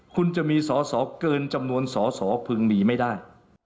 คุณจะมีสอสอเกินจำนวนสอสอพึงมีไม่ได้